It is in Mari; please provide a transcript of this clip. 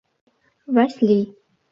Васлий.